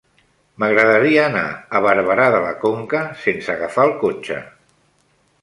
M'agradaria anar a Barberà de la Conca sense agafar el cotxe.